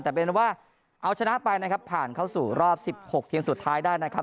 แต่เป็นว่าเอาชนะไปนะครับผ่านเข้าสู่รอบ๑๖ทีมสุดท้ายได้นะครับ